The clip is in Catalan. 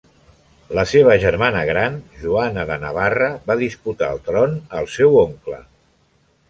La seva germana gran, Joana de Navarra va disputar el tron al seu oncle.